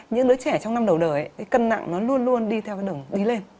những đứa trẻ trong năm đầu đời cân nặng nó luôn luôn đi theo đường đi lên